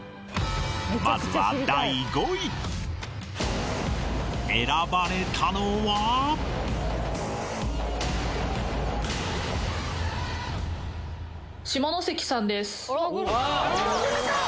まずは第５位選ばれたのは下関さんです